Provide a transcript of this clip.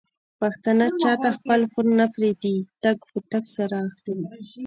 پښتانه چاته خپل پور نه پرېږدي ټک په ټک سره اخلي.